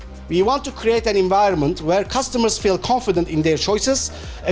kami ingin membuat lingkungan di mana pelanggan merasa yakin dengan pilihannya